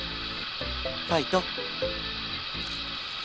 ファイト！